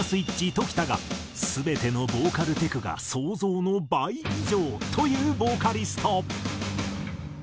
常田が全てのボーカルテクが想像の倍以上というボーカリスト。